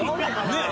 ねえ。